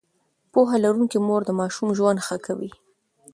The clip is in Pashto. پوهه لرونکې مور د ماشوم ژوند ښه کوي.